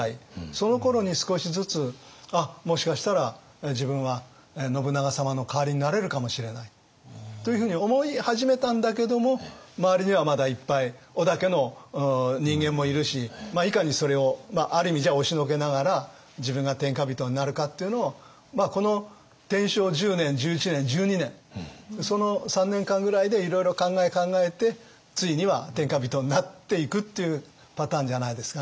そのころに少しずつもしかしたら自分は信長様の代わりになれるかもしれないというふうに思い始めたんだけども周りにはまだいっぱい織田家の人間もいるしいかにそれをある意味押しのけながら自分が天下人になるかっていうのをこの天正１０年１１年１２年その３年間ぐらいでいろいろ考え考えてついには天下人になっていくっていうパターンじゃないですかね。